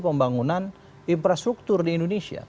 pembangunan infrastruktur di indonesia